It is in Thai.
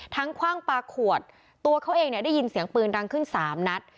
คว่างปลาขวดตัวเขาเองเนี่ยได้ยินเสียงปืนดังขึ้นสามนัด